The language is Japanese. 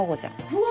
うわ！